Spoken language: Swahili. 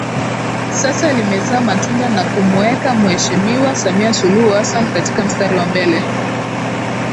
Sasa limezaa matunda na kumuweka muheshimiwa Samia Suluhu Hassan katika mstari wa mbele